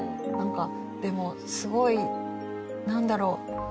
なんかでもすごいなんだろう。